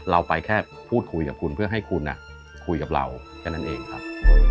เราไปแค่พูดคุยกับคุณเพื่อให้คุณคุยกับเราแค่นั้นเองครับ